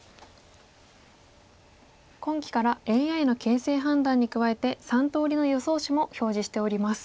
今期からＡＩの形勢判断に加えて３通りの予想手も表示しております。